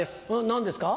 何ですか？